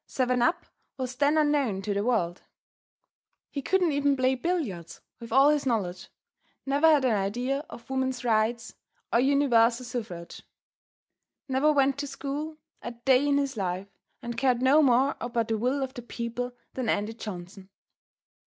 "Seven up" was then unknown to the world. He couldn't even play billiards, with all his knowledge, never had an idea of woman's rights, or universal suffrage; never went to school a day in his life, and cared no more about the will of the people than Andy Johnson.